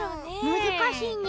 むずかしいね。